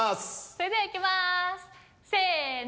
それではいきますせの。